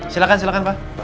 silahkan silahkan pak